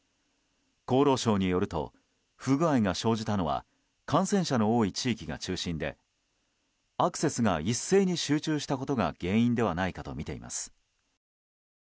厚労省によると不具合が生じたのは感染者の多い地域が中心でアクセスが一斉に集中したことが原因ではないかとみています。